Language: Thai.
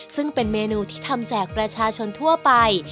ซึ่งเป็นเมนูที่ทำแจกประชาชนทั่วไป